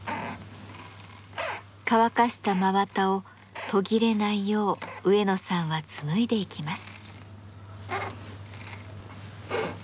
乾かした真綿を途切れないよう植野さんは紡いでいきます。